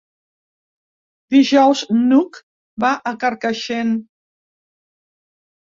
Dijous n'Hug va a Carcaixent.